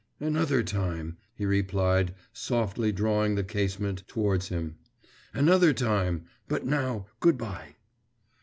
'Another time,' he replied, softly drawing the casement towards him. 'Another time; but now good bye.